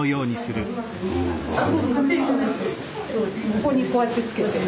ここにこうやってつけて。